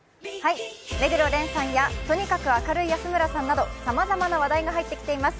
目黒連さんや、とにかく明るい安村さんなど、さまざまな話題が入ってきています。